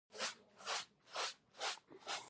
د پښتو ژبې د بډاینې لپاره پکار ده چې عمومي قبولیت لوړ شي.